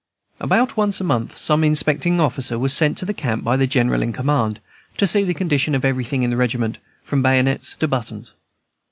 About once a month, some inspecting officer was sent to the camp by the general in command, to see to the condition of everything in the regiment, from bayonets to buttons.